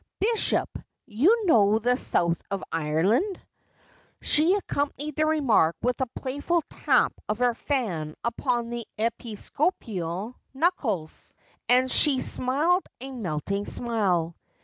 ' Bishop, you know the south of Ireland 'I ' She accompanied the remark with a playful tap of her fan upon the episcopal knuckles, and she smiled a melting smile.